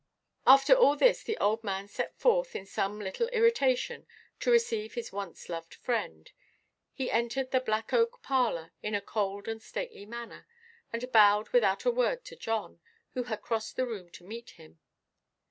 After all this the old man set forth, in some little irritation, to receive his once–loved friend. He entered the black oak parlour in a cold and stately manner, and bowed without a word to John, who had crossed the room to meet him.